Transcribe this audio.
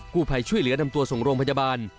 ผู้ภัยช่วยเหลือนำตัวส่งโรงพยาบาล